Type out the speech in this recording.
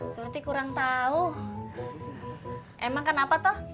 aduh surti kurang tau emang kenapa toh